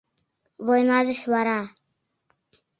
Война деч вара